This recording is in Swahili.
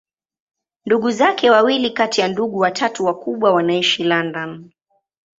Ndugu zake wawili kati ya ndugu watatu wakubwa wanaishi London.